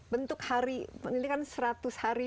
bentuk hari ini kan seratus hari